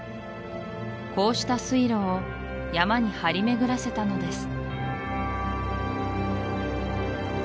こうした水路を山に張り巡らせたのです